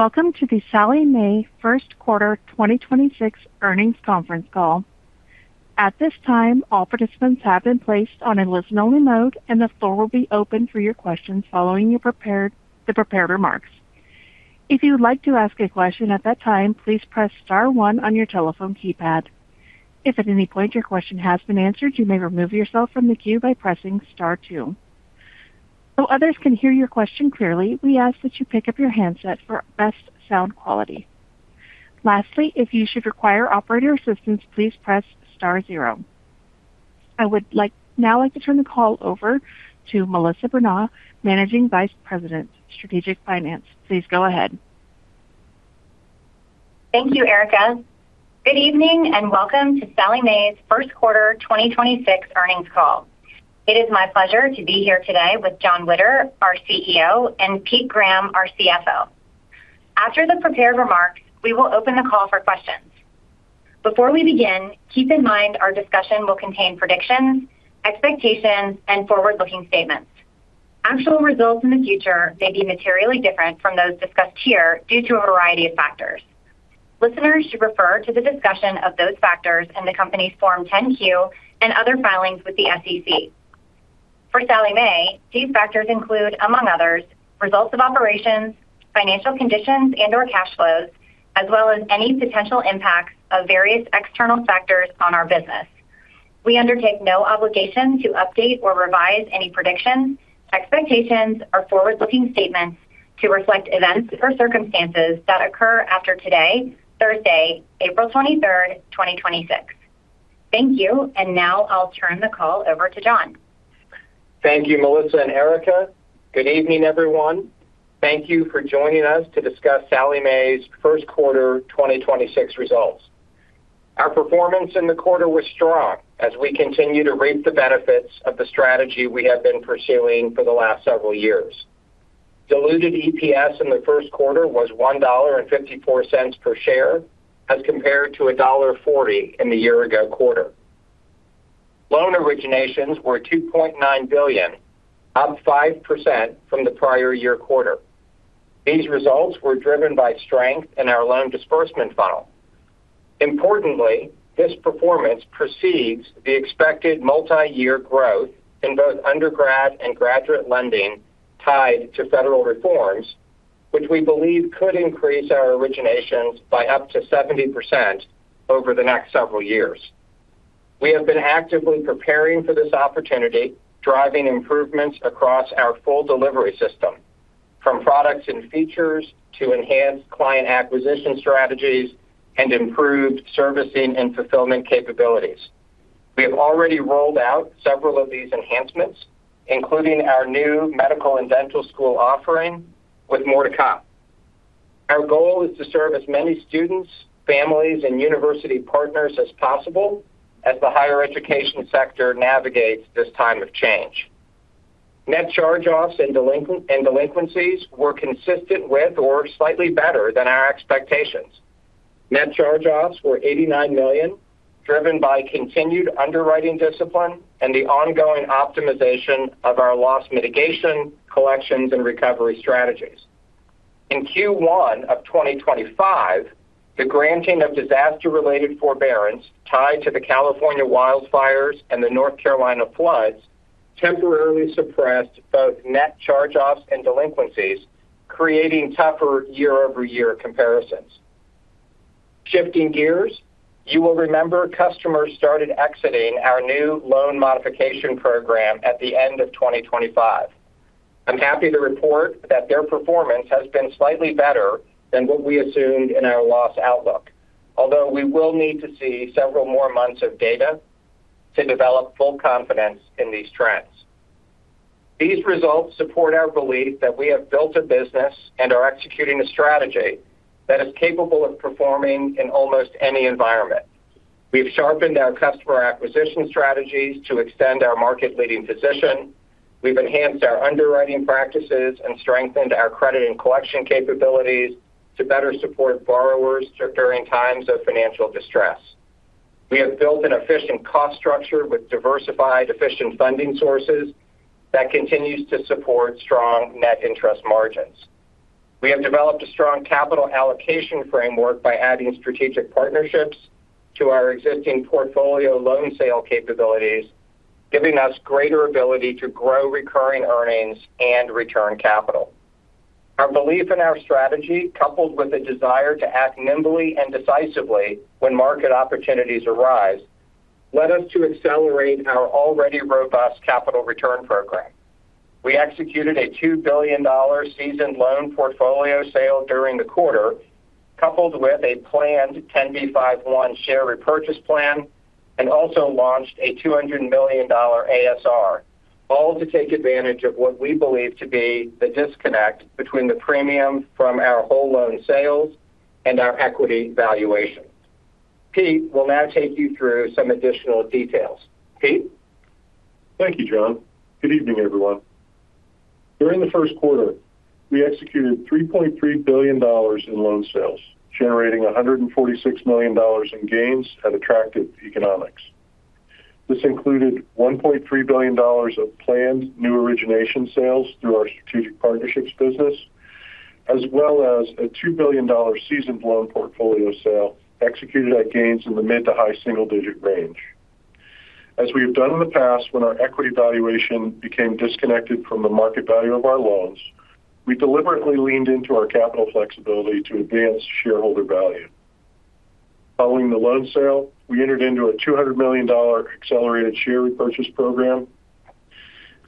Welcome to the Sallie Mae First Quarter 2026 Earnings Conference Call. At this time, all participants have been placed on a listen-only mode, and the floor will be open for your questions following the prepared remarks. If you would like to ask a question at that time, please press star one on your telephone keypad. If at any point your question has been answered, you may remove yourself from the queue by pressing star two. So others can hear your question clearly, we ask that you pick up your handset for best sound quality. Lastly, if you should require operator assistance, please press star zero. I would now like to turn the call over to Melissa Berna, Managing Vice President, Strategic Finance. Please go ahead. Thank you, Erica. Good evening, and welcome to Sallie Mae's first quarter 2026 earnings call. It is my pleasure to be here today with Jon Witter, our CEO, and Pete Graham, our CFO. After the prepared remarks, we will open the call for questions. Before we begin, keep in mind our discussion will contain predictions, expectations, and forward-looking statements. Actual results in the future may be materially different from those discussed here due to a variety of factors. Listeners should refer to the discussion of those factors in the company's Form 10-Q and other filings with the SEC. For Sallie Mae, these factors include, among others, results of operations, financial conditions, and/or cash flows, as well as any potential impacts of various external factors on our business. We undertake no obligation to update or revise any predictions, expectations, or forward-looking statements to reflect events or circumstances that occur after today, Thursday, April 23rd, 2026. Thank you. Now I'll turn the call over to Jon. Thank you, Melissa and Erica. Good evening, everyone. Thank you for joining us to discuss Sallie Mae's first quarter 2026 results. Our performance in the quarter was strong as we continue to reap the benefits of the strategy we have been pursuing for the last several years. Diluted EPS in the first quarter was $1.54 per share as compared to $1.40 in the year-ago quarter. Loan originations were $2.9 billion, up 5% from the prior year quarter. These results were driven by strength in our loan disbursement funnel. Importantly, this performance precedes the expected multi-year growth in both undergrad and graduate lending tied to federal reforms, which we believe could increase our originations by up to 70% over the next several years. We have been actively preparing for this opportunity, driving improvements across our full delivery system, from products and features to enhanced client acquisition strategies and improved servicing and fulfillment capabilities. We have already rolled out several of these enhancements, including our new medical and dental school offering, with more to come. Our goal is to serve as many students, families, and university partners as possible as the higher education sector navigates this time of change. Net charge-offs and delinquencies were consistent with or slightly better than our expectations. Net charge-offs were $89 million, driven by continued underwriting discipline and the ongoing optimization of our loss mitigation, collections, and recovery strategies. In Q1 of 2025, the granting of disaster-related forbearance tied to the California wildfires and the North Carolina floods temporarily suppressed both net charge-offs and delinquencies, creating tougher year-over-year comparisons. Shifting gears, you will remember customers started exiting our new loan modification program at the end of 2025. I'm happy to report that their performance has been slightly better than what we assumed in our loss outlook. Although we will need to see several more months of data to develop full confidence in these trends. These results support our belief that we have built a business and are executing a strategy that is capable of performing in almost any environment. We've sharpened our customer acquisition strategies to extend our market-leading position. We've enhanced our underwriting practices and strengthened our credit and collection capabilities to better support borrowers during times of financial distress. We have built an efficient cost structure with diversified, efficient funding sources that continues to support strong net interest margins. We have developed a strong capital allocation framework by adding strategic partnerships to our existing portfolio loan sale capabilities, giving us greater ability to grow recurring earnings and return capital. Our belief in our strategy, coupled with a desire to act nimbly and decisively when market opportunities arise, led us to accelerate our already robust capital return program. We executed a $2 billion seasoned loan portfolio sale during the quarter, coupled with a planned 10b5-1 share repurchase plan, and also launched a $200 million ASR, all to take advantage of what we believe to be the disconnect between the premium from our whole loan sales and our equity valuation. Pete will now take you through some additional details. Pete? Thank you, Jon. Good evening, everyone. During the first quarter, we executed $3.3 billion in loan sales, generating $146 million in gains at attractive economics. This included $1.3 billion of planned new origination sales through our strategic partnerships business, as well as a $2 billion seasoned loan portfolio sale executed at gains in the mid to high single-digit range. As we have done in the past when our equity valuation became disconnected from the market value of our loans, we deliberately leaned into our capital flexibility to advance shareholder value. Following the loan sale, we entered into a $200 million accelerated share repurchase program.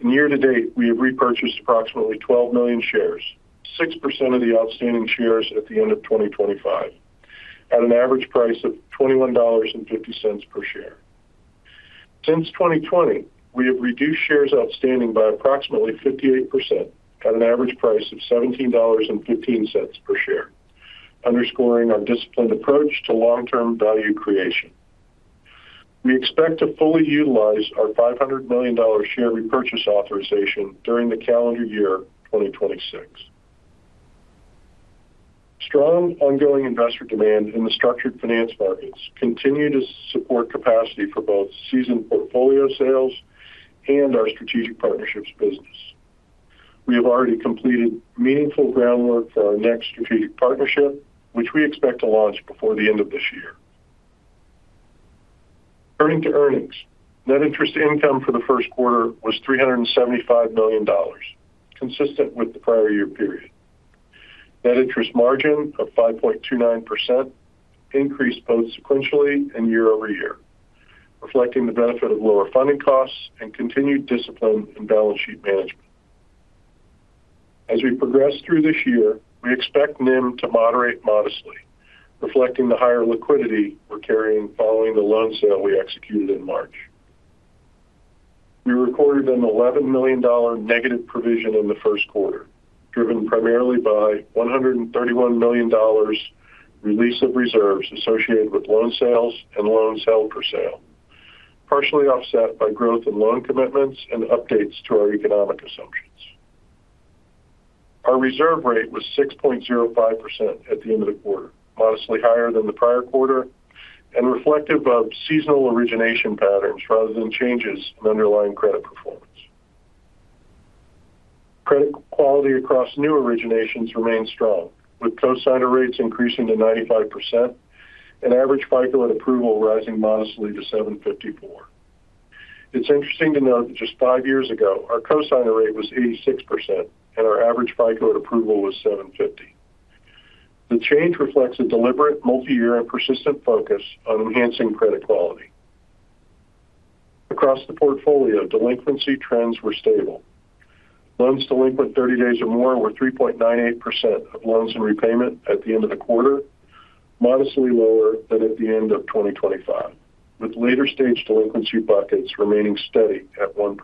Year to date, we have repurchased approximately 12 million shares, 6% of the outstanding shares at the end of 2025, at an average price of $21.50 per share. Since 2020, we have reduced shares outstanding by approximately 58% at an average price of $17.15 per share, underscoring our disciplined approach to long-term value creation. We expect to fully utilize our $500 million share repurchase authorization during the calendar year 2026. Strong ongoing investor demand in the structured finance markets continue to support capacity for both seasoned portfolio sales and our strategic partnerships business. We have already completed meaningful groundwork for our next strategic partnership, which we expect to launch before the end of this year. Turning to earnings. Net interest income for the first quarter was $375 million, consistent with the prior year period. Net interest margin of 5.29% increased both sequentially and year-over-year, reflecting the benefit of lower funding costs and continued discipline in balance sheet management. As we progress through this year, we expect NIM to moderate modestly, reflecting the higher liquidity we're carrying following the loan sale we executed in March. We recorded a $11 million negative provision in the first quarter, driven primarily by $131 million release of reserves associated with loan sales and loans held for sale, partially offset by growth in loan commitments and updates to our economic assumptions. Our reserve rate was 6.05% at the end of the quarter, modestly higher than the prior quarter, and reflective of seasonal origination patterns rather than changes in underlying credit performance. Credit quality across new originations remains strong, with cosigner rates increasing to 95% and average FICO at approval rising modestly to 754. It's interesting to note that just five years ago, our cosigner rate was 86%, and our average FICO at approval was 750. The change reflects a deliberate multi-year persistent focus on enhancing credit quality. Across the portfolio, delinquency trends were stable. Loans delinquent 30 days or more were 3.98% of loans in repayment at the end of the quarter, modestly lower than at the end of 2025, with later stage delinquency buckets remaining steady at 1%.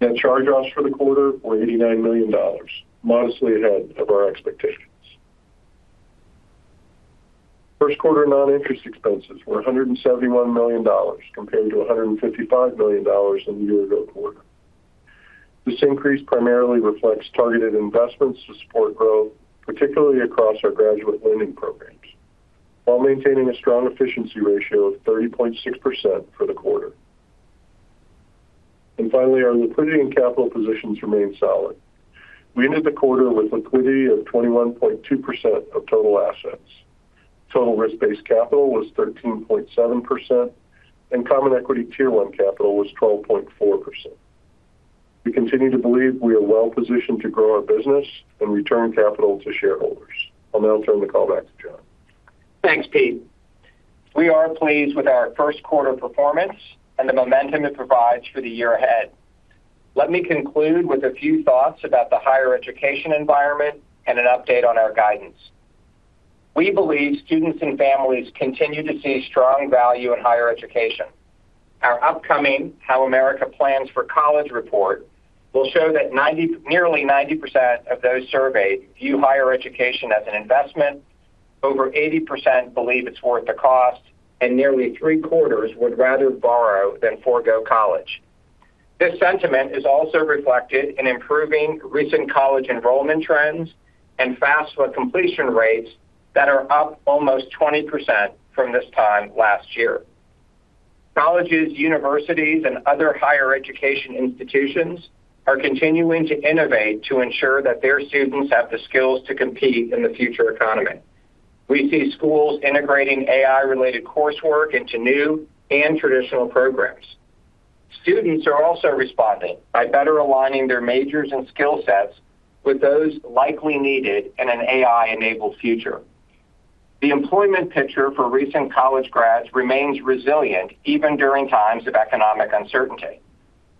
Net charge-offs for the quarter were $89 million, modestly ahead of our expectations. First quarter non-interest expenses were $171 million, compared to $155 million in the year-ago quarter. This increase primarily reflects targeted investments to support growth, particularly across our graduate lending programs, while maintaining a strong efficiency ratio of 30.6% for the quarter. Finally, our liquidity and capital positions remain solid. We ended the quarter with liquidity of 21.2% of total assets. Total risk-based capital was 13.7%, and Common Equity Tier 1 capital was 12.4%. We continue to believe we are well positioned to grow our business and return capital to shareholders. I'll now turn the call back to Jon. Thanks, Pete. We are pleased with our first quarter performance and the momentum it provides for the year ahead. Let me conclude with a few thoughts about the higher education environment and an update on our guidance. We believe students and families continue to see strong value in higher education. Our upcoming How America Plans for College report will show that nearly 90% of those surveyed view higher education as an investment, over 80% believe it's worth the cost, and nearly three-quarters would rather borrow than forego college. This sentiment is also reflected in improving recent college enrollment trends and FAFSA completion rates that are up almost 20% from this time last year. Colleges, universities, and other higher education institutions are continuing to innovate to ensure that their students have the skills to compete in the future economy. We see schools integrating AI-related coursework into new and traditional programs. Students are also responding by better aligning their majors and skill sets with those likely needed in an AI-enabled future. The employment picture for recent college grads remains resilient even during times of economic uncertainty.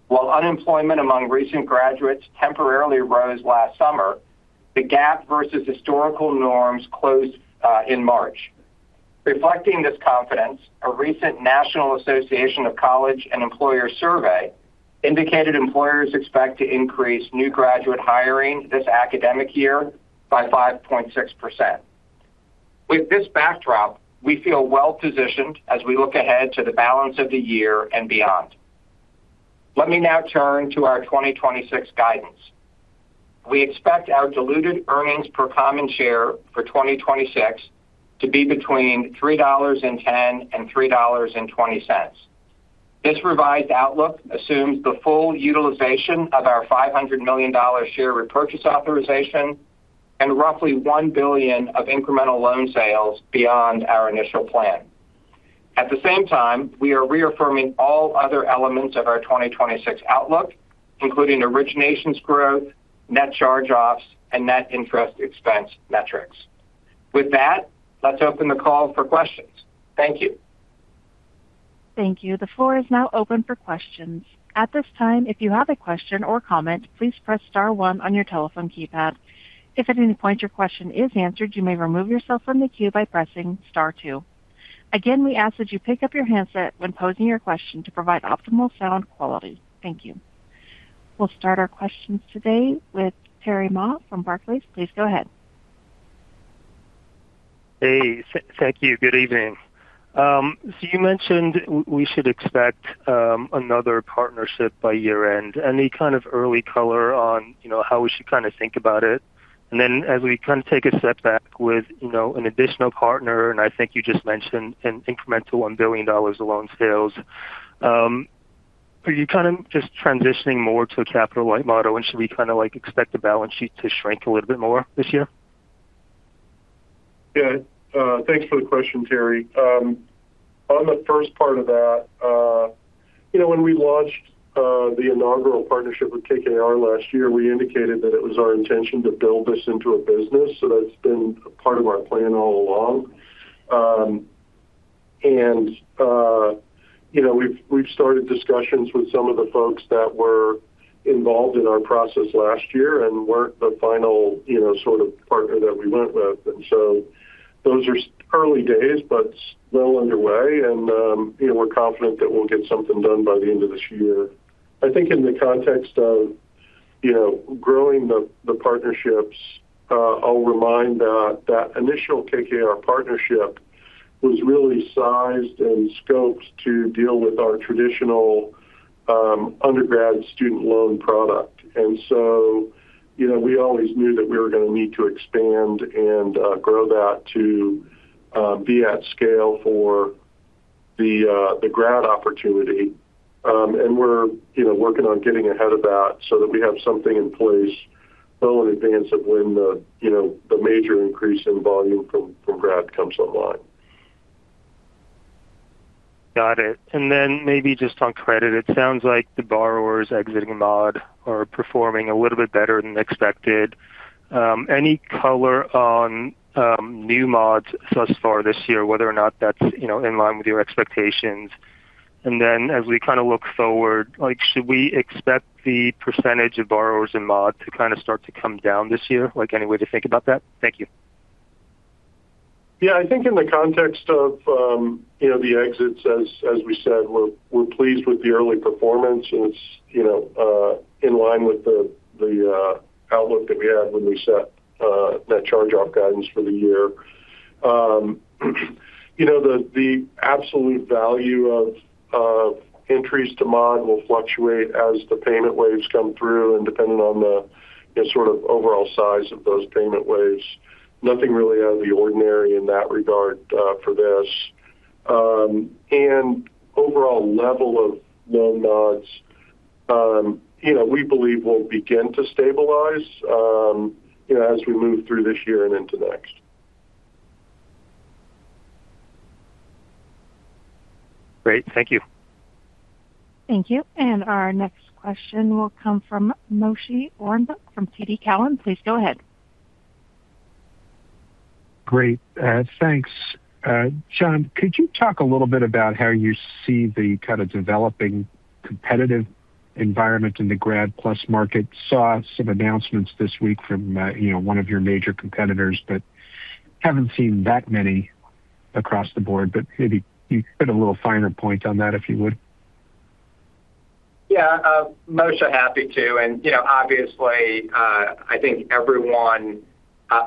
While unemployment among recent graduates temporarily rose last summer, the gap versus historical norms closed in March. Reflecting this confidence, a recent National Association of Colleges and Employers survey indicated employers expect to increase new graduate hiring this academic year by 5.6%. With this backdrop, we feel well positioned as we look ahead to the balance of the year and beyond. Let me now turn to our 2026 guidance. We expect our diluted earnings per common share for 2026 to be between $3.10-$3.20. This revised outlook assumes the full utilization of our $500 million share repurchase authorization and roughly $1 billion of incremental loan sales beyond our initial plan. At the same time, we are reaffirming all other elements of our 2026 outlook, including originations growth, net charge-offs, and net interest expense metrics. With that, let's open the call for questions. Thank you. Thank you. The floor is now open for questions. At this time, if you have a question or comment, please press star one on your telephone keypad. If at any point your question is answered, you may remove yourself from the queue by pressing star two. Again, we ask that you pick up your handset when posing your question to provide optimal sound quality. Thank you. We'll start our questions today with Terry Ma from Barclays. Please go ahead. Hey. Thank you. Good evening. You mentioned we should expect another partnership by year-end. Any kind of early color on how we should think about it? As we take a step back with an additional partner, I think you just mentioned an incremental $1 billion of loan sales, are you just transitioning more to a capital-light model, and should we expect the balance sheet to shrink a little bit more this year? Yeah. Thanks for the question, Terry. On the first part of that, when we launched the inaugural partnership with KKR last year, we indicated that it was our intention to build this into a business. That's been a part of our plan all along. We've started discussions with some of the folks that were involved in our process last year and weren't the final sort of partner that we went with. Those are early days, but well underway and we're confident that we'll get something done by the end of this year. I think in the context of growing the partnerships, I'll remind that that initial KKR partnership was really sized and scoped to deal with our traditional undergrad student loan product. We always knew that we were going to need to expand and grow that to be at scale for the grad opportunity. We're working on getting ahead of that so that we have something in place well in advance of when the major increase in volume from grad comes online. Got it. Maybe just on credit, it sounds like the borrowers exiting mod are performing a little bit better than expected. Any color on new mods thus far this year, whether or not that's in line with your expectations? As we look forward, should we expect the percentage of borrowers in mod to start to come down this year? Any way to think about that? Thank you. Yeah. I think in the context of the exits, as we said, we're pleased with the early performance, and it's in line with the outlook that we had when we set that charge-off guidance for the year. The absolute value of entries to mod will fluctuate as the payment waves come through and depending on the sort of overall size of those payment waves. Nothing really out of the ordinary in that regard for this. Overall level of new mods we believe will begin to stabilize as we move through this year and into next. Great. Thank you. Thank you. Our next question will come from Moshe Orenbuch from TD Cowen. Please go ahead. Great. Thanks. Jon, could you talk a little bit about how you see the kind of developing competitive environment in the Grad PLUS market? Saw some announcements this week from one of your major competitors, but haven't seen that many across the board, but maybe you could put a little finer point on that, if you would. Yeah. Moshe, happy to. Obviously, I think everyone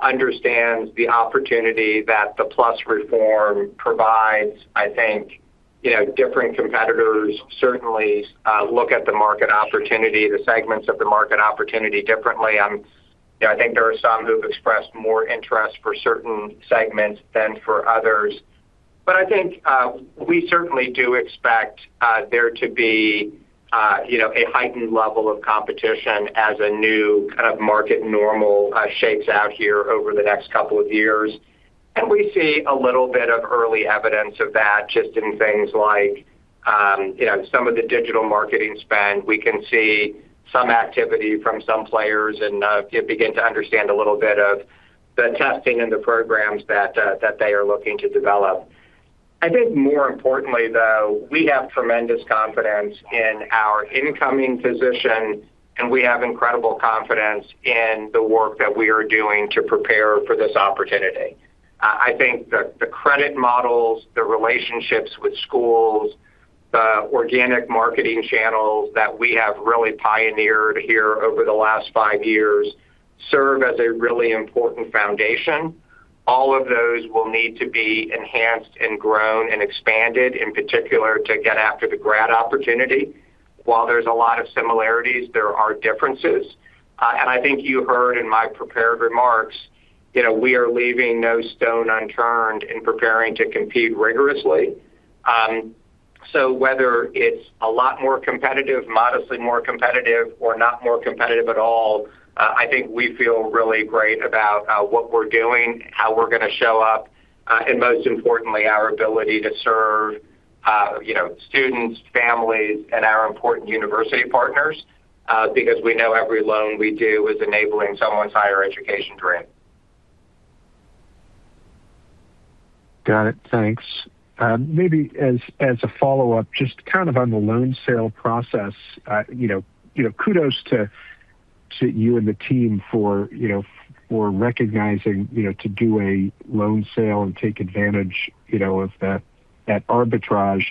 understands the opportunity that the PLUS reform provides. I think different competitors certainly look at the market opportunity, the segments of the market opportunity differently. I think there are some who have expressed more interest for certain segments than for others. I think we certainly do expect there to be a heightened level of competition as a new kind of market normal shapes out here over the next couple of years. We see a little bit of early evidence of that just in things like some of the digital marketing spend. We can see some activity from some players and begin to understand a little bit of the testing and the programs that they are looking to develop. I think more importantly, though, we have tremendous confidence in our incoming position, and we have incredible confidence in the work that we are doing to prepare for this opportunity. I think the credit models, the relationships with schools, the organic marketing channels that we have really pioneered here over the last five years serve as a really important foundation. All of those will need to be enhanced and grown and expanded, in particular to get after the grad opportunity. While there's a lot of similarities, there are differences. I think you heard in my prepared remarks, we are leaving no stone unturned in preparing to compete rigorously. Whether it's a lot more competitive, modestly more competitive or not more competitive at all, I think we feel really great about what we're doing, how we're going to show up, and most importantly, our ability to serve students, families, and our important university partners, because we know every loan we do is enabling someone's higher education dream. Got it. Thanks. Maybe as a follow-up, just on the loan sale process, kudos to you and the team for recognizing to do a loan sale and take advantage of that arbitrage.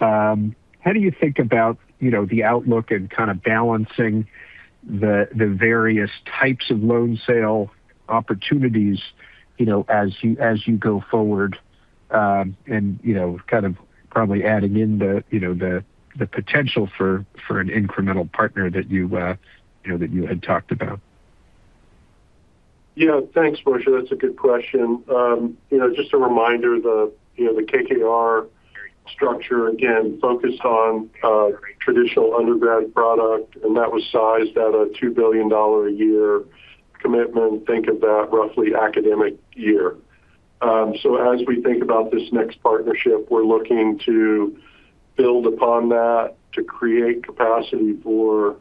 How do you think about the outlook and balancing the various types of loan sale opportunities as you go forward, and probably adding in the potential for an incremental partner that you had talked about? Yeah, thanks, Moshe. That's a good question. Just a reminder, the KKR structure, again, focused on traditional undergrad product, and that was sized at a $2 billion a year commitment. Think of that roughly academic year. So as we think about this next partnership, we're looking to build upon that to create capacity for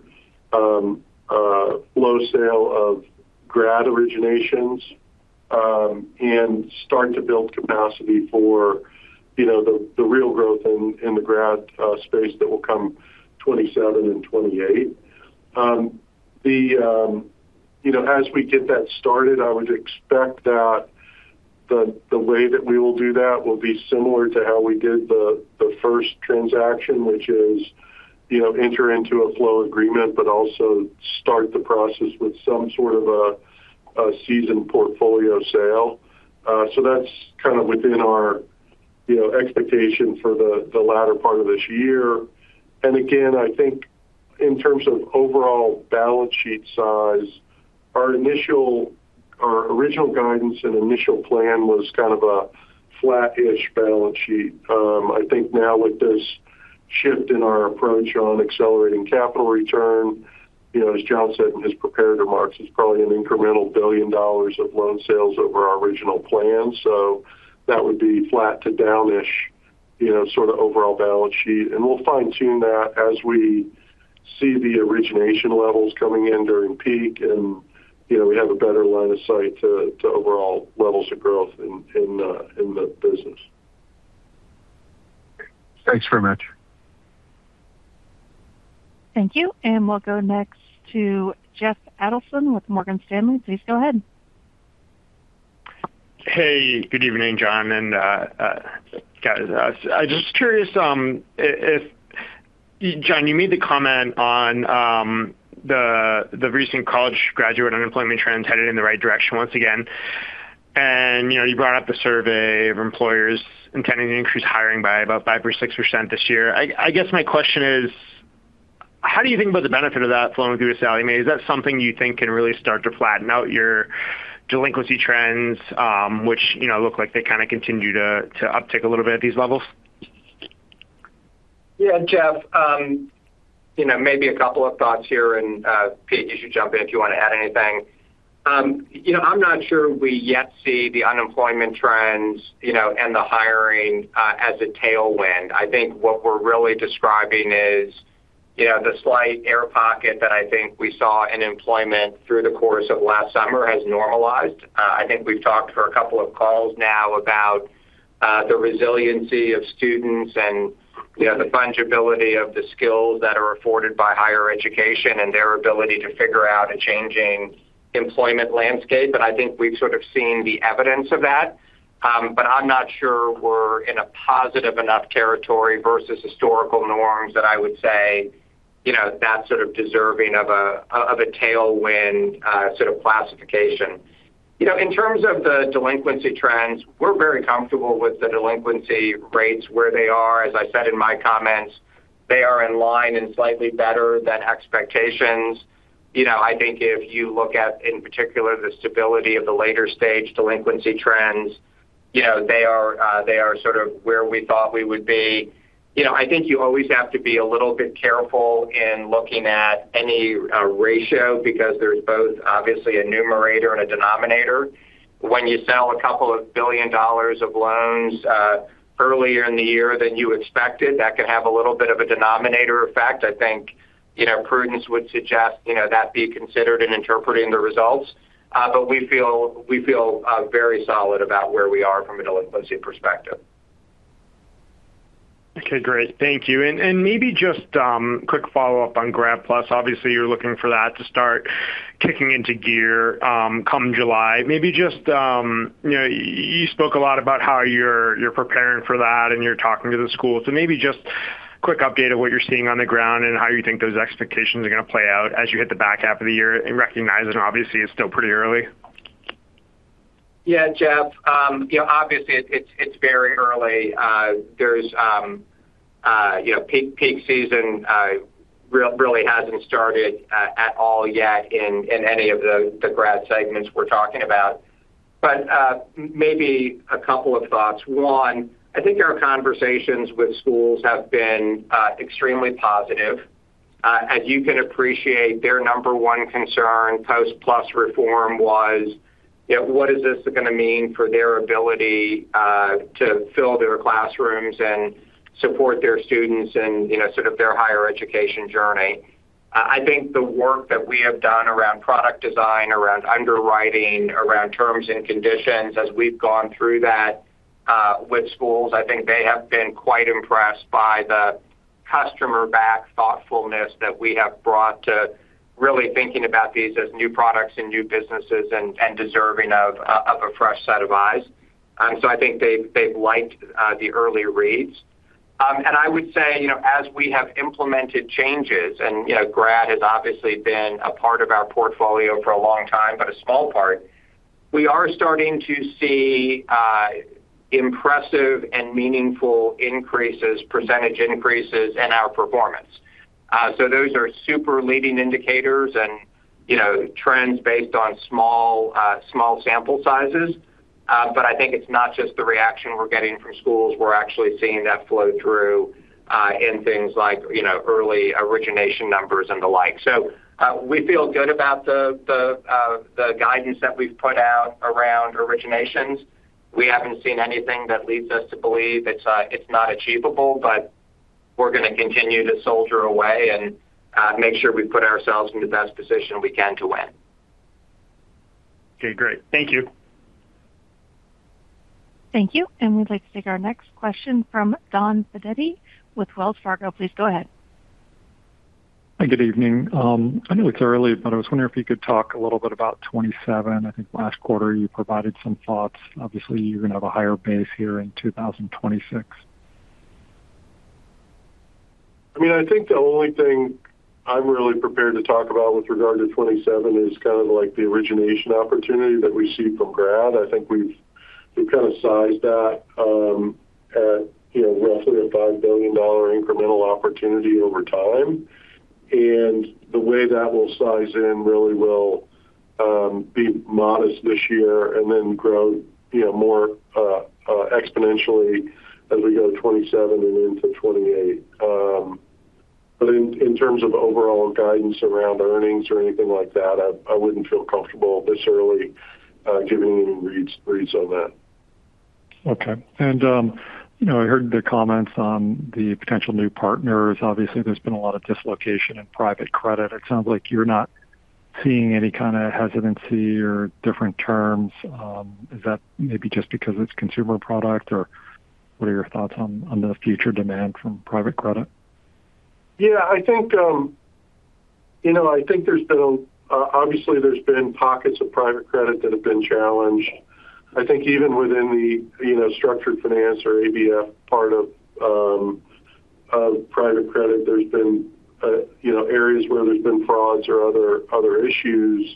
flow sale of grad originations and starting to build capacity for the real growth in the grad space that will come 2027 and 2028. As we get that started, I would expect that the way that we will do that will be similar to how we did the first transaction, which is enter into a flow agreement, but also start the process with some sort of a seasoned portfolio sale. That's within our expectation for the latter part of this year. Again, I think in terms of overall balance sheet size, our original guidance and initial plan was a flat-ish balance sheet. I think now with this shift in our approach on accelerating capital return, as Jon said in his prepared remarks, it's probably an incremental $1 billion of loan sales over our original plan. That would be flat to down-ish overall balance sheet. We'll fine-tune that as we see the origination levels coming in during peak, and we have a better line of sight to overall levels of growth in the business. Thanks very much. Thank you. We'll go next to Jeff Adelson with Morgan Stanley. Please go ahead. Hey, good evening, Jon and guys. I was just curious if, Jon, you made the comment on the recent college graduate unemployment trends headed in the right direction once again. You brought up the survey of employers intending to increase hiring by about 5% or 6% this year. I guess my question is: How do you think about the benefit of that flowing through to salary? Is that something you think can really start to flatten out your delinquency trends, which look like they continue to uptick a little bit at these levels? Yeah, Jeff, maybe a couple of thoughts here and, Pete, you should jump in if you want to add anything. I'm not sure we yet see the unemployment trends and the hiring as a tailwind. I think what we're really describing is the slight air pocket that I think we saw in employment through the course of last summer has normalized. I think we've talked for a couple of calls now about the resiliency of students and the fungibility of the skills that are afforded by higher education and their ability to figure out a changing employment landscape. I think we've sort of seen the evidence of that. I'm not sure we're in a positive enough territory versus historical norms that I would say that's sort of deserving of a tail`wind sort of classification. In terms of the delinquency trends, we're very comfortable with the delinquency rates where they are. As I said in my comments, they are in line and slightly better than expectations. I think if you look at, in particular, the stability of the later stage delinquency trends, they are sort of where we thought we would be. I think you always have to be a little bit careful in looking at any ratio because there's both obviously a numerator and a denominator. When you sell a couple of $2 billion of loans earlier in the ye`ar than you expected, that could have a little bit of a denominator effect. I think prudence would suggest that be considered in interpreting the results. We feel very solid about where we are from a delinquency perspective. Okay, great. Thank you. Maybe just quick follow-up on Grad PLUS. Obviously, you're looking for that to start kicking into gear come July. You spoke a lot about how you're preparing for that and you're talking to the schools. Maybe just quick update of what you're seeing on the ground and how you think those expectations are going to play out as you hit the back half of the year, and recognizing, obviously, it's still pretty early. Yeah, Jeff. Obviously, it's very early. Peak season really hasn't started at all yet in any of the grad segments we're talking about. Maybe a couple of thoughts. One, I think our conversations with schools have been extremely positive. As you can appreciate, their number one concern post-PLUS reform was what is this going to mean for their ability to fill their classrooms and support their students and sort of their higher education journey. I think the work that we have done around product design, around underwriting, around terms and conditions, as we've gone through that with schools, I think they have been quite impressed by the customer-backed thoughtfulness that we have brought to really thinking about these as new products and new businesses and deserving of a fresh set of eyes. I think they've liked the early reads. I would say, as we have implemented changes, and Grad has obviously been a part of our portfolio for a long time, but a small part, we are starting to see impressive and meaningful increases, percentage increases in our performance. Those are super leading indicators and trends based on small sample sizes. I think it's not just the reaction we're getting from schools. We're actually seeing that flow through in things like early origination numbers and the like. We feel good about the guidance that we've put out around originations. We haven't seen anything that leads us to believe it's not achievable, but we're going to continue to soldier away and make sure we put ourselves in the best position we can to win. Okay, great. Thank you. Thank you. We'd like to take our next question from Don Fandetti with Wells Fargo. Please go ahead. Good evening. I know it's early, but I was wondering if you could talk a little bit about 2027. I think last quarter you provided some thoughts. Obviously, you're going to have a higher base here in 2026. I think the only thing I'm really prepared to talk about with regard to 2027 is kind of like the origination opportunity that we see from grad. I think we've kind of sized that at roughly a $5 billion incremental opportunity over time. The way that will size in really will be modest this year and then grow more exponentially as we go 2027 and into 2028. In terms of overall guidance around earnings or anything like that, I wouldn't feel comfortable this early giving any reads on that. Okay. I heard the comments on the potential new partners. Obviously, there's been a lot of dislocation in private credit. It sounds like you're not seeing any kind of hesitancy or different terms. Is that maybe just because it's consumer product? Or what are your thoughts on the future demand from private credit? Yeah, I think obviously there's been pockets of private credit that have been challenged. I think even within the structured finance or ABF part of private credit, there's been areas where there's been frauds or other issues.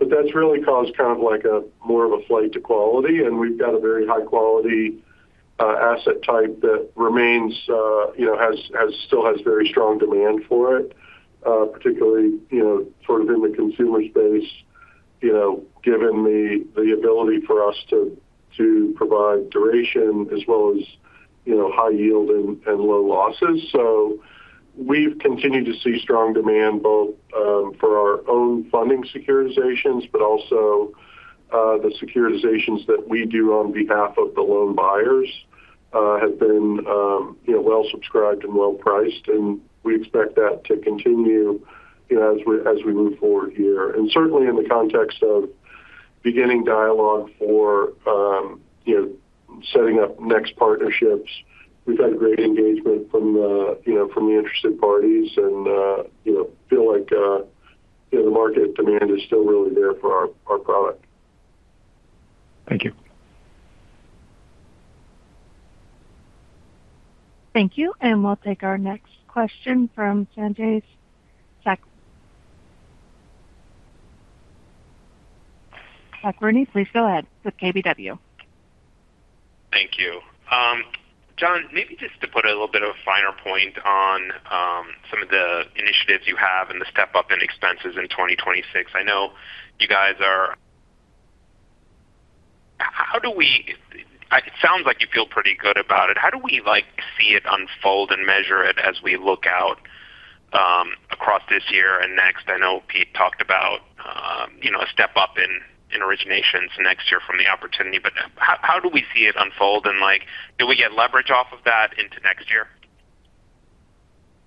That's really caused kind of like a more of a flight to quality, and we've got a very high-quality asset type that still has very strong demand for it, particularly sort of in the consumer space, given the ability for us to provide duration as well as high yield and low losses. We've continued to see strong demand both for our own funding securitizations, but also the securitizations that we do on behalf of the loan buyers have been well subscribed and well priced, and we expect that to continue as we move forward here. Certainly in the context of beginning dialogue for setting up next partnerships, we've had great engagement from the interested parties and feel like the market demand is still really there for our product. Thank you. Thank you. We'll take our next question from Sanjay Sakhrani, please go ahead with KBW. Thank you. Jon, maybe just to put a little bit of a finer point on some of the initiatives you have and the step-up in expenses in 2026. I know it sounds like you feel pretty good about it. How do we see it unfold and measure it as we look out across this year and next? I know Pete talked about a step-up in originations next year from the opportunity, but how do we see it unfold and do we get leverage off of that into next year?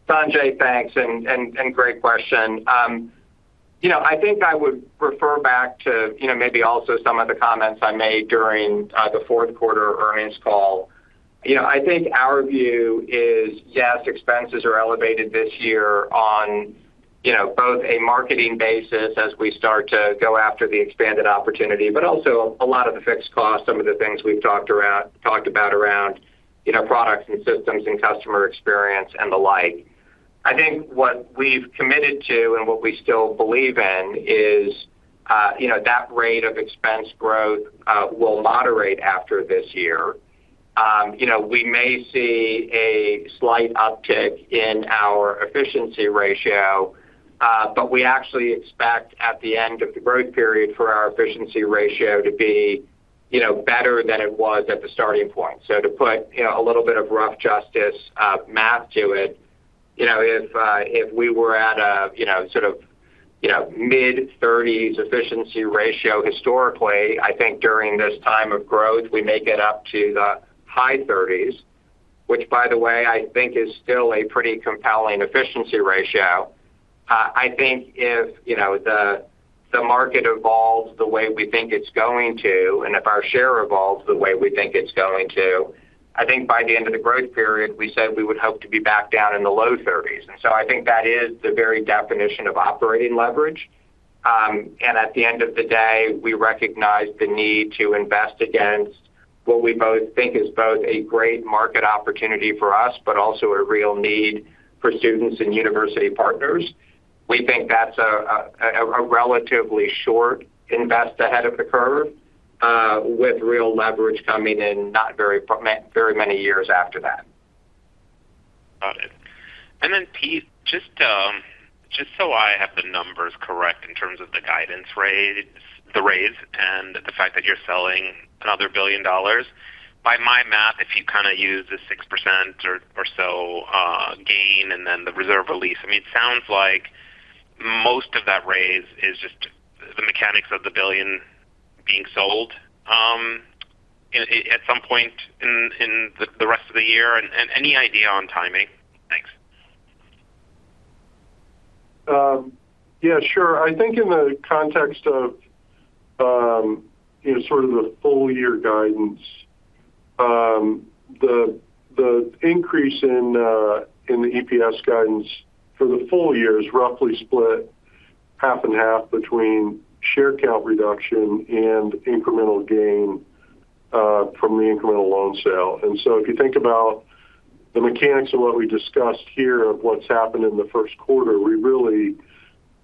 Sanjay, thanks, and great question. I think I would refer back to maybe also some of the comments I made during the fourth quarter earnings call. I think our view is, yes, expenses are elevated this year on both a marketing basis as we start to go after the expanded opportunity, but also a lot of the fixed costs, some of the things we've talked about around products and systems and customer experience and the like. I think what we've committed to and what we still believe in is that rate of expense growth will moderate after this year. We may see a slight uptick in our efficiency ratio, but we actually expect at the end of the growth period for our efficiency ratio to be better than it was at the starting point. To put a little bit of rough justice math to it, if we were at a mid-30s efficiency ratio historically, I think during this time of growth, we may get up to the high 30s, which by the way, I think is still a pretty compelling efficiency ratio. I think if the market evolves the way we think it's going to, and if our share evolves the way we think it's going to, I think by the end of the growth period, we said we would hope to be back down in the low 30s. I think that is the very definition of operating leverage. At the end of the day, we recognize the need to invest against what we both think is both a great market opportunity for us, but also a real need for students and university partners. We think that's a relatively short invest ahead of the curve with real leverage coming in not very many years after that. Got it. And then Pete, just so I have the numbers correct in terms of the guidance raise, the raise, and the fact that you're selling another $1 billion. By my math, if you use the 6% or so gain and then the reserve release, it sounds like most of that raise is just the mechanics of the $1 billion being sold at some point in the rest of the year, and any idea on timing? Thanks. Yeah, sure. I think in the context of the full year guidance, the increase in the EPS guidance for the full year is roughly split half and half between share count reduction and incremental gain from the incremental loan sale. If you think about the mechanics of what we discussed here of what's happened in the first quarter, we really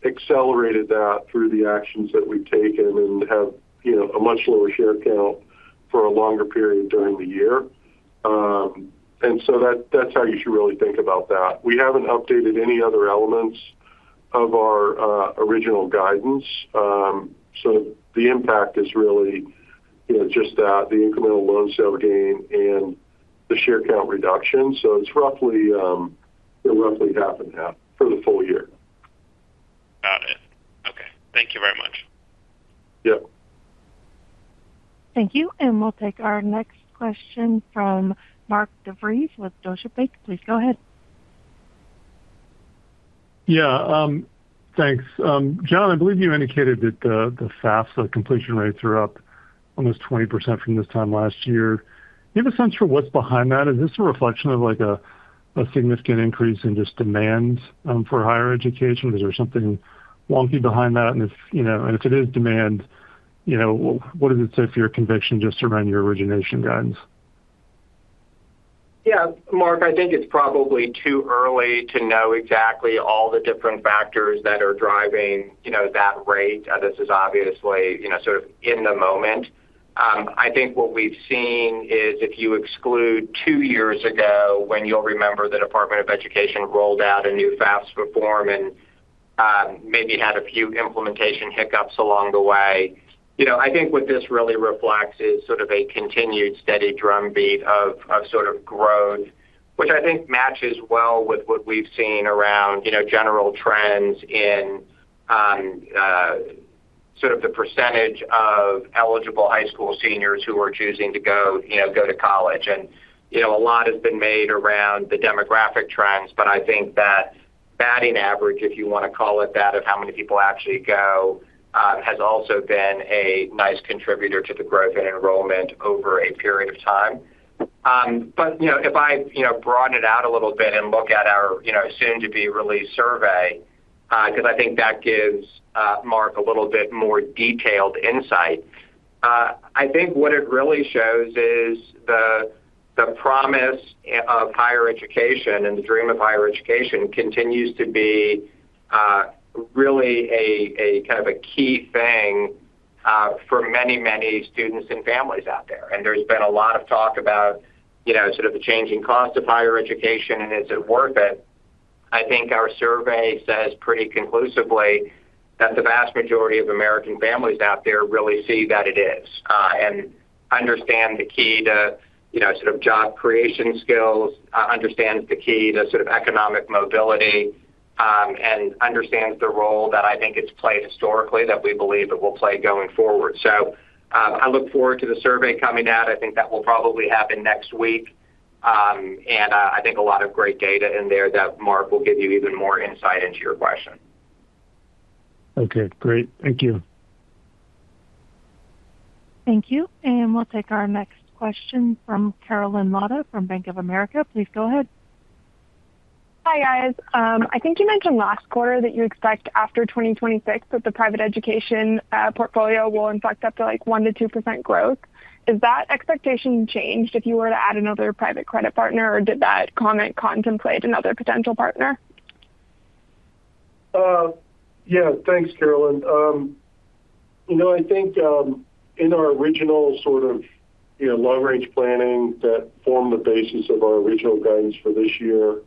accelerated that through the actions that we've taken and have a much lower share count for a longer period during the year. That's how you should really think about that. We haven't updated any other elements of our original guidance. The impact is really just that, the incremental loan sale gain and the share count reduction. It's roughly half and half for the full year. Got it. Okay. Thank you very much. Yep. Thank you. We'll take our next question from Mark DeVries with Deutsche Bank. Please go ahead. Yeah, thanks. Jon, I believe you indicated that the FAFSA completion rates are up almost 20% from this time last year. Do you have a sense for what's behind that? Is this a reflection of a significant increase in just demand for higher education? Is there something wonky behind that? If it is demand, what does it say for your conviction just around your origination guidance? Yeah. Mark, I think it's probably too early to know exactly all the different factors that are driving that rate. This is obviously sort of in the moment. I think what we've seen is if you exclude two years ago, when you'll remember the Department of Education rolled out a new FAFSA form and maybe had a few implementation hiccups along the way. I think what this really reflects is sort of a continued steady drumbeat of sort of growth, which I think matches well with what we've seen around general trends in sort of the percentage of eligible high school seniors who are choosing to go to college. A lot has been made around the demographic trends, but I think that batting average, if you want to call it that, of how many people actually go, has also been a nice contributor to the growth in enrollment over a period of time. If I broaden it out a little bit and look at our soon-to-be-released survey, because I think that gives Mark a little bit more detailed insight. I think what it really shows is the promise of higher education and the dream of higher education continues to be really a kind of a key thing for many students and families out there. There's been a lot of talk about sort of the changing cost of higher education and is it worth it. I think our survey says pretty conclusively that the vast majority of American families out there really see that it is. Understand the key to sort of job creation skills, understands the key to sort of economic mobility, and understands the role that I think it's played historically that we believe it will play going forward. I look forward to the survey coming out. I think that will probably happen next week. I think a lot of great data in there that Mark will give you even more insight into your question. Okay, great. Thank you. Thank you. We'll take our next question from Carolyn Latta from Bank of America. Please go ahead. Hi, guys. I think you mentioned last quarter that you expect after 2026 that the private education portfolio will inflect up to 1%-2% growth. Is that expectation changed if you were to add another private credit partner, or did that comment contemplate another potential partner? Yeah. Thanks, Carolyn. I think in our original long-range planning that formed the basis of our original guidance for this year,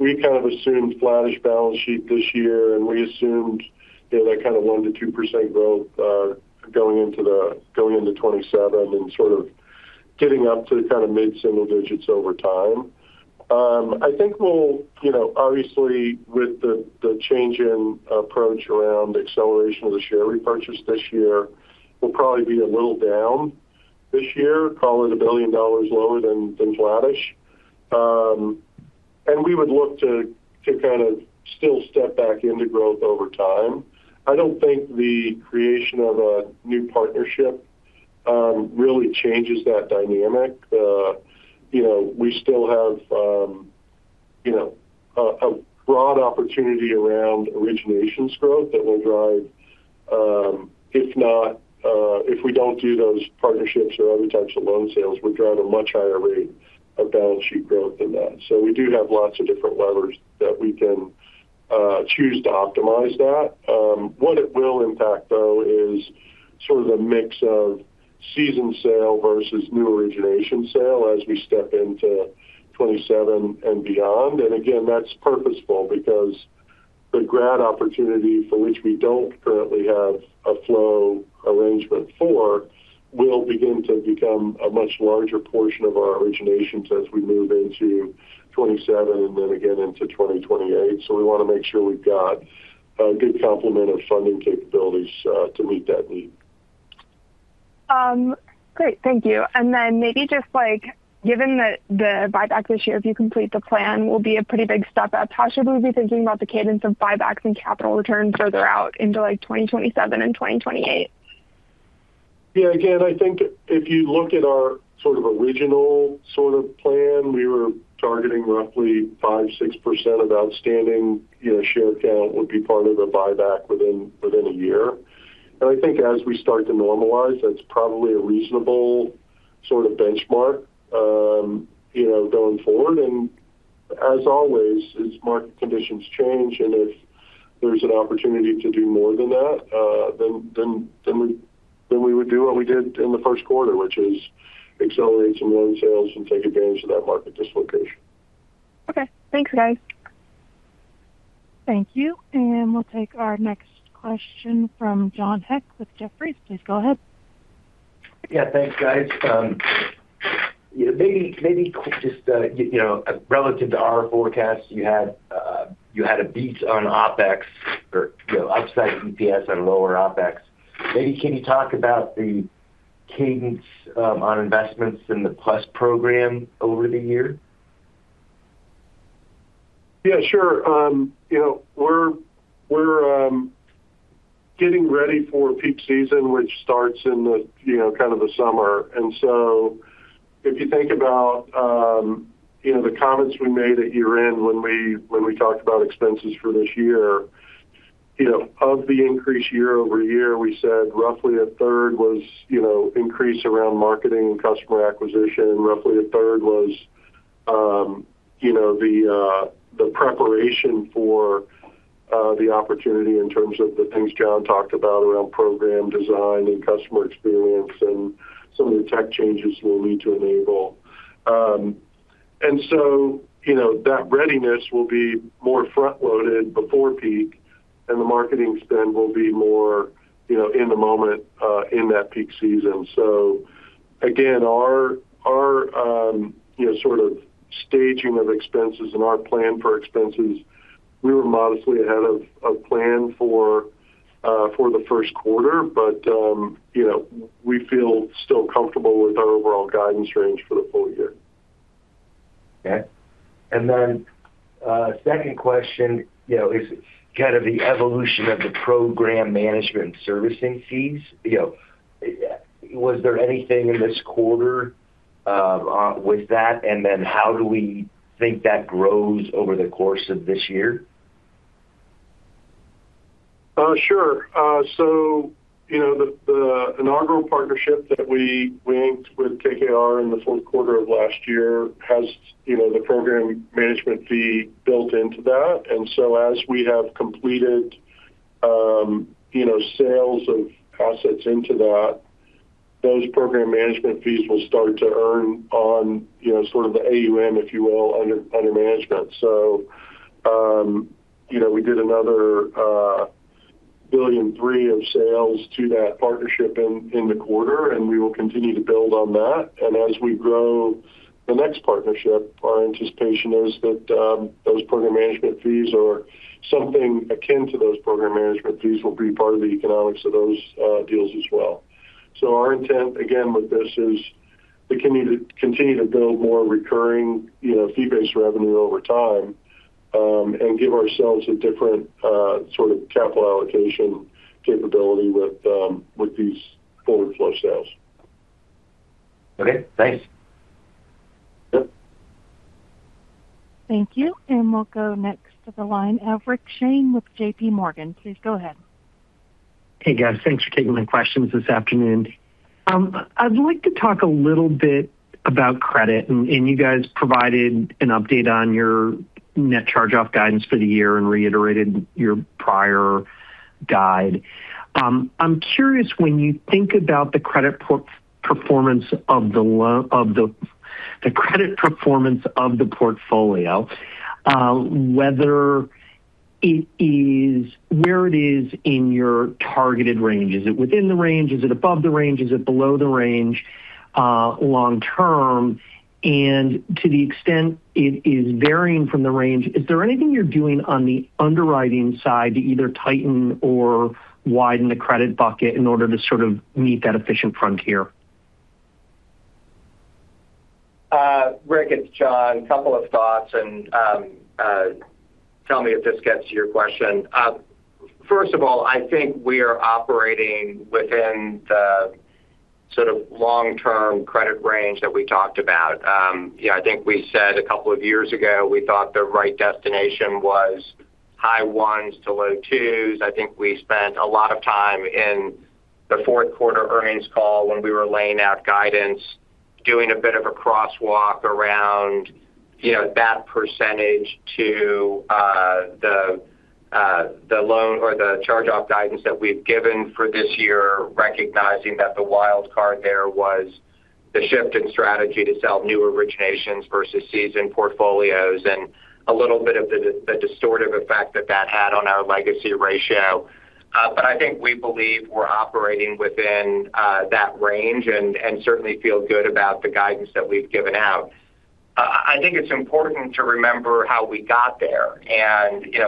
we kind of assumed flattish balance sheet this year, and we assumed that kind of 1%-2% growth going into 2027 and sort of getting up to the kind of mid-single digits over time. I think obviously, with the change in approach around acceleration of the share repurchase this year, we'll probably be a little down this year, call it $1 billion lower than flattish. We would look to kind of still step back into growth over time. I don't think the creation of a new partnership really changes that dynamic. We still have a broad opportunity around originations growth that will drive if we don't do those partnerships or other types of loan sales, would drive a much higher rate of balance sheet growth than that. We do have lots of different levers that we can choose to optimize that. What it will impact, though, is sort of the mix of seasoned sale versus new origination sale as we step into 2027 and beyond. Again, that's purposeful because the grad opportunity for which we don't currently have a flow arrangement for will begin to become a much larger portion of our originations as we move into 2027 and then again into 2028. We want to make sure we've got a good complement of funding capabilities to meet that need. Great. Thank you. Maybe just given that the buyback this year, if you complete the plan, will be a pretty big step up, how should we be thinking about the cadence of buybacks and capital returns further out into 2027 and 2028? Yeah. Again, I think if you look at our sort of original plan, we were targeting roughly 5%-6% of outstanding share count would be part of the buyback within a year. I think as we start to normalize, that's probably a reasonable sort of benchmark going forward. As always, as market conditions change and if there's an opportunity to do more than that, then we would do what we did in the first quarter, which is accelerate some loan sales and take advantage of that market dislocation. Okay. Thanks, guys. Thank you. We'll take our next question from John Hecht with Jefferies. Please go ahead. Yeah. Thanks, guys. Maybe quick, just relative to our forecast, you had a beat on OpEx or upside EPS and lower OpEx. Maybe can you talk about the cadence on investments in the PLUS program over the year? Yeah, sure. We're getting ready for peak season, which starts in the kind of the summer. If you think about the comments we made at year-end when we talked about expenses for this year, of the increase year-over-year, we said roughly a third was increase around marketing and customer acquisition, and roughly a third was the preparation for the opportunity in terms of the things Jon talked about around program design and customer experience and some of the tech changes we'll need to enable. That readiness will be more front-loaded before peak, and the marketing spend will be more in the moment in that peak season. Again, our sort of staging of expenses and our plan for expenses, we were modestly ahead of plan for the first quarter. We feel still comfortable with our overall guidance range for the full year. Okay. Second question is kind of the evolution of the program management servicing fees. Was there anything in this quarter with that? How do we think that grows over the course of this year? Sure. The inaugural partnership that we inked with KKR in the fourth quarter of last year has the program management fee built into that. As we have completed sales of assets into that, those program management fees will start to earn on sort of the AUM, if you will, under management. We did another $1.3 billion of sales to that partnership in the quarter, and we will continue to build on that. As we grow the next partnership, our anticipation is that those program management fees, or something akin to those program management fees, will be part of the economics of those deals as well. Our intent, again, with this is. We can continue to build more recurring fee-based revenue over time and give ourselves a different sort of capital allocation capability with these forward flow sales. Okay, thanks. Yep. Thank you. We'll go next to the line of Rick Shane with JPMorgan. Please go ahead. Hey, guys. Thanks for taking my questions this afternoon. I'd like to talk a little bit about credit. You guys provided an update on your net charge-off guidance for the year and reiterated your prior guide. I'm curious, when you think about the credit performance of the portfolio, where it is in your targeted range. Is it within the range? Is it above the range? Is it below the range long term? To the extent it is varying from the range, is there anything you're doing on the underwriting side to either tighten or widen the credit bucket in order to sort of meet that efficient frontier? Rick, it's Jon. Couple of thoughts, and tell me if this gets to your question. First of all, I think we are operating within the sort of long-term credit range that we talked about. I think we said a couple of years ago, we thought the right destination was high ones to low twos. I think we spent a lot of time in the fourth quarter earnings call when we were laying out guidance, doing a bit of a crosswalk around that percentage to the loan or the charge-off guidance that we've given for this year, recognizing that the wild card there was the shift in strategy to sell new originations versus seasoned portfolios, and a little bit of the distortive effect that that had on our legacy ratio. I think we believe we're operating within that range and certainly feel good about the guidance that we've given out. I think it's important to remember how we got there.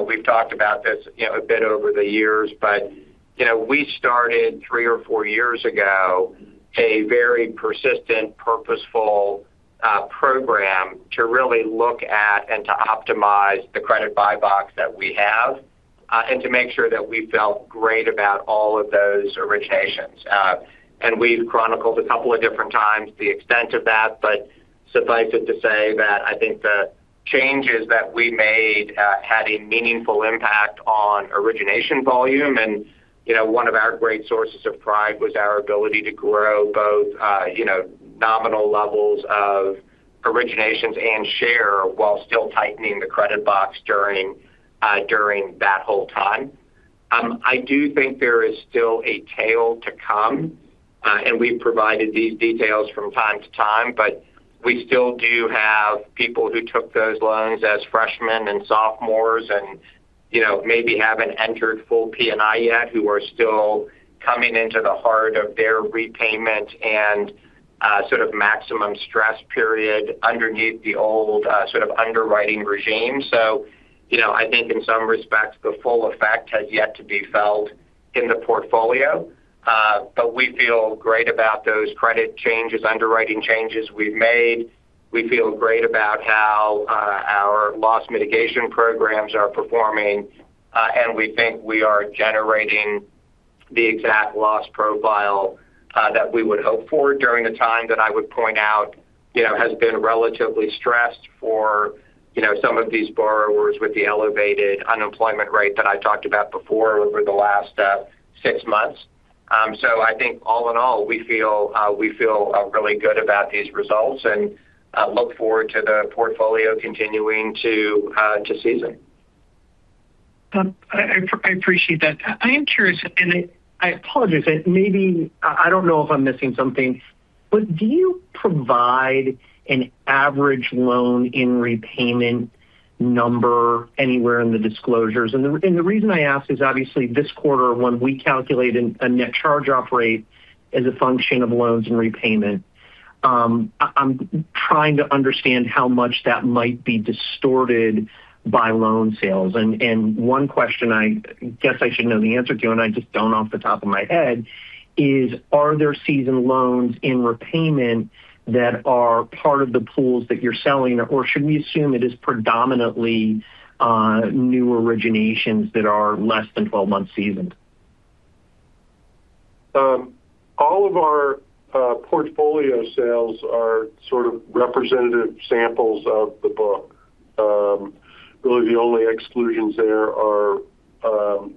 We've talked about this a bit over the years, but we started three or four years ago, a very persistent, purposeful program to really look at and to optimize the credit buy box that we have. To make sure that we felt great about all of those originations. We've chronicled a couple of different times the extent of that, but suffice it to say that I think the changes that we made had a meaningful impact on origination volume. One of our great sources of pride was our ability to grow both nominal levels of originations and share while still tightening the credit box during that whole time. I do think there is still a tail to come, and we've provided these details from time to time, but we still do have people who took those loans as freshmen and sophomores and maybe haven't entered full P&I yet, who are still coming into the heart of their repayment and sort of maximum stress period underneath the old sort of underwriting regime. I think in some respects, the full effect has yet to be felt in the portfolio. We feel great about those credit changes, underwriting changes we've made. We feel great about how our loss mitigation programs are performing, and we think we are generating the exact loss profile that we would hope for during a time that I would point out has been relatively stressed for some of these borrowers with the elevated unemployment rate that I talked about before over the last six months. I think all in all, we feel really good about these results and look forward to the portfolio continuing to season. I appreciate that. I am curious, and I apologize, maybe I don't know if I'm missing something, but do you provide an average loan in repayment number anywhere in the disclosures? The reason I ask is obviously this quarter when we calculated a net charge-off rate as a function of loans and repayment. I'm trying to understand how much that might be distorted by loan sales. One question I guess I should know the answer to, and I just don't off the top of my head is, are there seasoned loans in repayment that are part of the pools that you're selling? Or should we assume it is predominantly new originations that are less than 12 months seasoned? All of our portfolio sales are sort of representative samples of the book. Really the only exclusions there are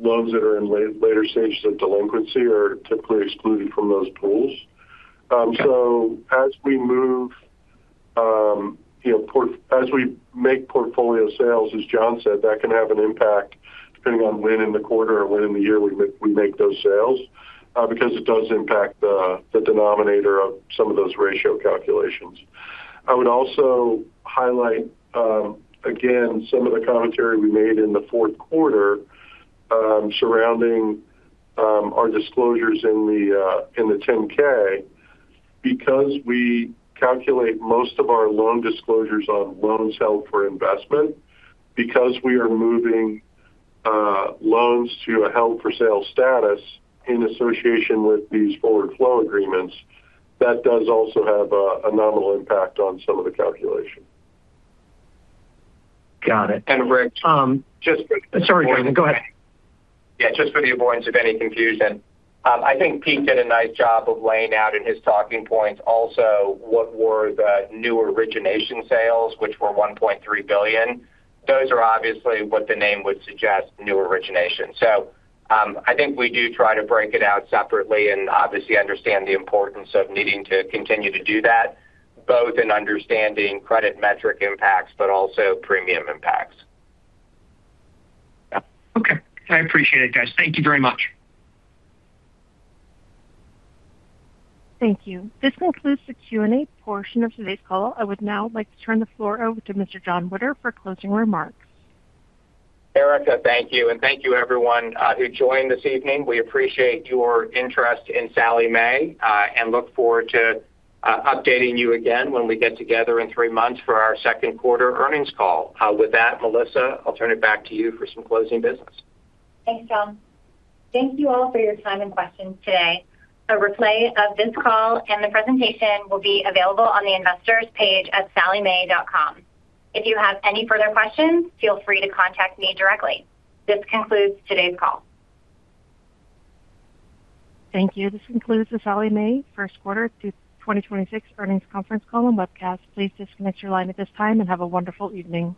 loans that are in later stages of delinquency are typically excluded from those pools. As we make portfolio sales, as Jon said, that can have an impact depending on when in the quarter or when in the year we make those sales because it does impact the denominator of some of those ratio calculations. I would also highlight again some of the commentary we made in the fourth quarter surrounding our disclosures in the 10-K. Because we calculate most of our loan disclosures on loans held for investment because we are moving loans to a held for sale status in association with these forward flow agreements, that does also have a nominal impact on some of the calculation. Got it. And Rick- Sorry, go ahead. Yeah. Just for the avoidance of any confusion, I think Pete did a nice job of laying out in his talking points also what were the new origination sales, which were $1.3 billion. Those are obviously what the name would suggest, new origination. I think we do try to break it out separately and obviously understand the importance of needing to continue to do that, both in understanding credit metric impacts, but also premium impacts. Okay. I appreciate it, guys. Thank you very much. Thank you. This concludes the Q&A portion of today's call. I would now like to turn the floor over to Mr. Jon Witter for closing remarks. Erica, thank you, and thank you everyone who joined this evening. We appreciate your interest in Sallie Mae, and look forward to updating you again when we get together in three months for our second quarter earnings call. With that, Melissa, I'll turn it back to you for some closing business. Thanks, Jon. Thank you all for your time and questions today. A replay of this call and the presentation will be available on the Investors page at salliemae.com. If you have any further questions, feel free to contact me directly. This concludes today's call. Thank you. This concludes the Sallie Mae First Quarter 2026 earnings conference call and webcast. Please disconnect your line at this time and have a wonderful evening.